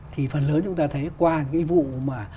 thì phần lớn chúng ta thấy qua cái vụ mà